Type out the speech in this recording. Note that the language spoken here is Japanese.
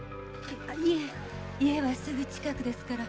いえ家はすぐ近くですから。